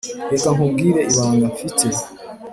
reka nkubwire ibanga mfite